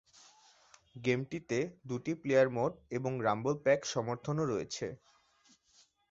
গেমটিতে দুই player mode এবং rumble pack সমর্থনও রয়েছে।